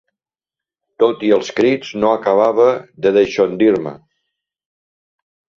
Tot i els crits, no acabava de deixondir-me.